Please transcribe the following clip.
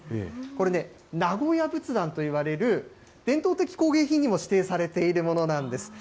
これね、名古屋仏壇といわれる、伝統的工芸品にも指定されているものなんです。